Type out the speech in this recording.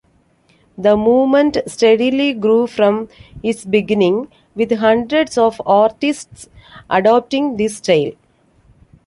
The movement steadily grew from its beginning, with hundreds of artists adopting this style.